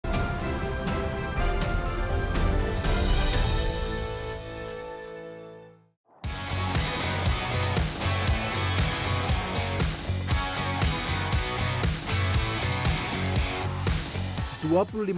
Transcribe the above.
kedepannya mau fokus juga sama skateboard